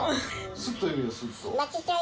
すっと言えよ、すっと。